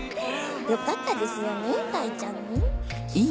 よかったですよねかいちゃんね。